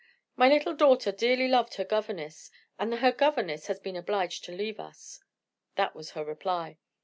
"My little daughter dearly loved her governess; and her governess has been obliged to leave us." That was her reply.